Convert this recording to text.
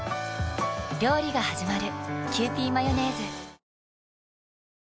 料理がはじまる。